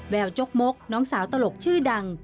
จกมกน้องสาวตลกชื่อดัง